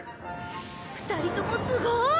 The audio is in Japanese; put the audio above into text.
２人ともすごーい！